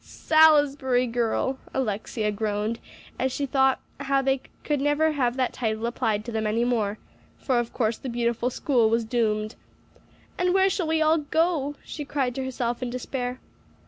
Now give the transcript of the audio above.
"Salisbury girl!" Alexia groaned as she thought how they should never have that title applied to them any more; for of course the beautiful school was doomed. "And where shall we all go?" she cried to herself in despair.